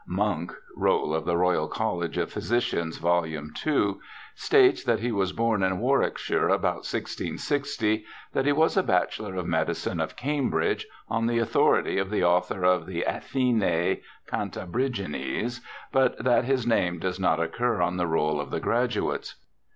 Munk [Roll of the Royal College of Physicians, vol. ii) states that he was born in Warwickshire about 1660, that he was a Bachelor of Medicine of Cambridge, on the authority of the author oiih^Athenae Cantabrigienses, but that his name does not occur on the roll of the graduates.